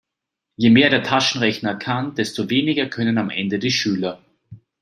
Je mehr der Taschenrechner kann, desto weniger können am Ende die Schüler.